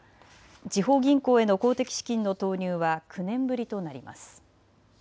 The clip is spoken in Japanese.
地方銀行への公的資金の投入は９年ぶりとなります。